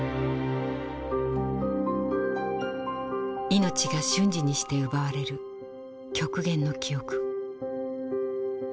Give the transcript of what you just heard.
命が瞬時にして奪われる極限の記憶。